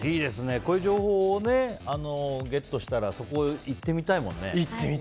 こういう情報をゲットしたらそこへ行ってみたいもんね。